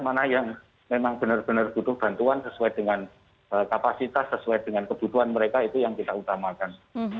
mana yang memang benar benar butuh bantuan sesuai dengan kapasitas sesuai dengan kebutuhan mereka itu yang kita utamakan